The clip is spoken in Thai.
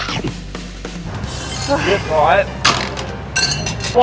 เหนื่อยอ่ะ